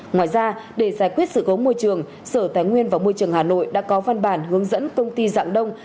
ngoài ra để giải quyết sự cố môi trường sở tài nguyên và môi trường hà nội đã có văn bản hướng dẫn công ty dạng đông